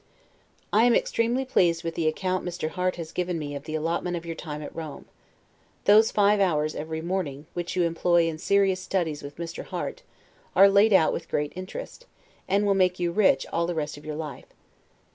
I am extremely pleased with the account Mr. Harte has given me of the allotment of your time at Rome. Those five hours every morning, which you employ in serious studies with Mr. Harte, are laid out with great interest, and will make you rich all the rest of your life.